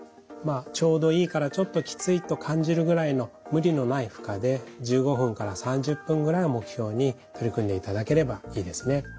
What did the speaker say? ちょうどいいからちょっときついと感じるぐらいの無理のない負荷で１５分から３０分ぐらいを目標に取り組んでいただければいいですね。